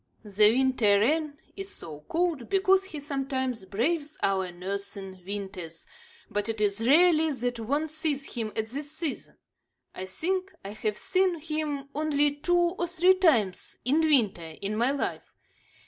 The winter wren is so called because he sometimes braves our northern winters, but it is rarely that one sees him at this season. I think I have seen him only two or three times in winter in my life.